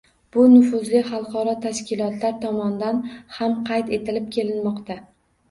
Bu nufuzli xalqaro tashkilotlar tomonidan ham qayd etilib kelinmoqda